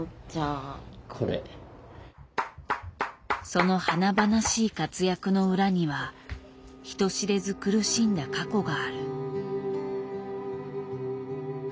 その華々しい活躍の裏には人知れず苦しんだ過去がある。